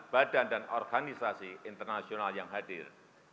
badan dan organisasi internasional yang hadir